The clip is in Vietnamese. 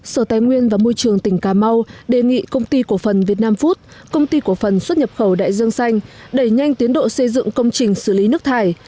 sở tài nguyên và môi trường tỉnh cà mau đề nghị công ty cổ phần việt nam food công ty cổ phần xuất nhập khẩu đại dương xanh đẩy nhanh tiến độ xây dựng công trình xử lý nước thải